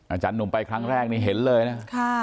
อาจารย์หนุ่มไปครั้งแรกนี่เห็นเลยนะ